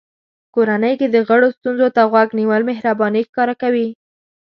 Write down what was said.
کورنۍ کې د غړو ستونزو ته غوږ نیول مهرباني ښکاره کوي.